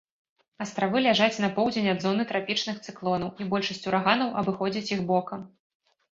Астравы ляжаць на поўдзень ад зоны трапічных цыклонаў, і большасць ураганаў абыходзяць іх бокам.